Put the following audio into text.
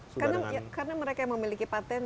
sudah dengan karena mereka memiliki patent